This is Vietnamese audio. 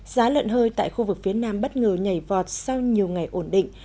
giá lợn hơi tại khu vực phía nam bất ngờ nhảy vọt sau nhiều ngày ổn định